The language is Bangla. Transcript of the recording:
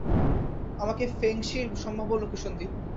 আমাকে ফেংশির সম্ভাব্য লোকেশন দিন।